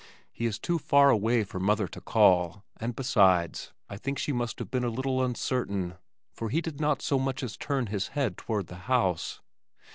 He is too far away for mother to call, and besides I think she must have been a little uncertain, for he did not so much as turn his head toward the house.